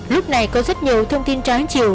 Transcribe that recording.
lúc này có rất nhiều thông tin trái chiều